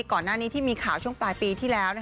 ก่อนหน้านี้ที่มีข่าวช่วงปลายปีที่แล้ว